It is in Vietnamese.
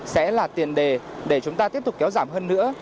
sẽ là tiền đề để chúng ta tiếp tục kéo giảm hơn nữa